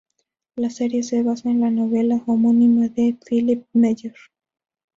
La serie se basa en la novela homónima de Philip Meyer.